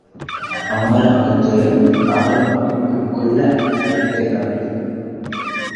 ஆறாகத் துயரம் அவலமாக உருக்கொள்ள அரற்றினாள்.